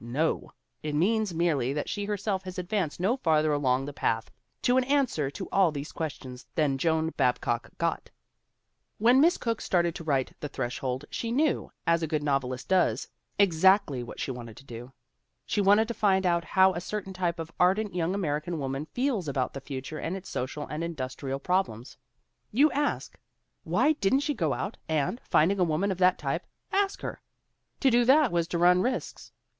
No ! It means merely that she herself has advanced no farther along the path to an answer to all these questions than Joan Babcock got. When Miss Cooke started to write The Threshold she knew, as a good novelist does, exactly 244 THE WOMEN WHO MAKE OUR NOVELS what she wanted to do. She wanted to find out how a certain type of ardent young American woman feels about the future and its social and industrial problems. You ask : why didn't she go out and, finding a woman of that type, ask her? To do that was to run risks.